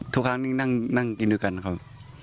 ทุกครั้งนี้นั่งกินด้วยกันครับ